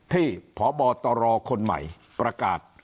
ที่พบตรคนใหม่ประกาศ